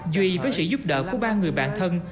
duy với sự giúp đỡ của ba người bạn thân